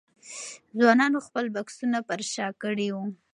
ځوانانو خپل بکسونه پر شا کړي وو.